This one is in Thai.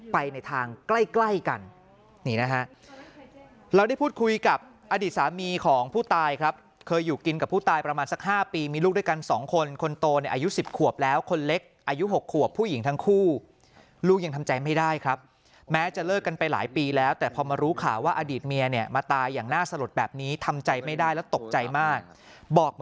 ไปในทางใกล้กันนี่นะฮะเราได้พูดคุยกับอดีตสามีของผู้ตายครับเคยอยู่กินกับผู้ตายประมาณสัก๕ปีมีลูกด้วยกันสองคนคนโตเนี่ยอายุ๑๐ขวบแล้วคนเล็กอายุ๖ขวบผู้หญิงทั้งคู่ลูกยังทำใจไม่ได้ครับแม้จะเลิกกันไปหลายปีแล้วแต่พอมารู้ข่าวว่าอดีตเมียเนี่ยมาตายอย่างน่าสลดแบบนี้ทำใจไม่ได้แล้วตกใจมากบอก